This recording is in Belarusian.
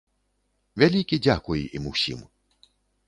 Вялікі дзякуй ім усім.